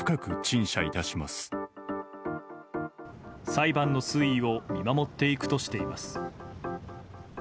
裁判の推移を見守っていくとしています。